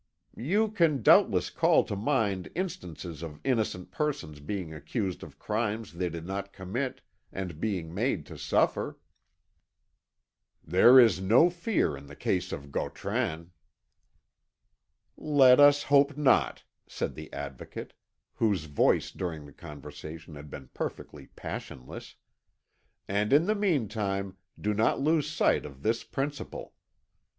"You can doubtless call to mind instances of innocent persons being accused of crimes they did not commit, and being made to suffer." "There is no fear in the case of Gautran." "Let us hope not," said the Advocate, whose voice during the conversation had been perfectly passionless, "and in the meantime, do not lose sight of this principle.